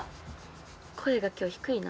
声が今日低いな。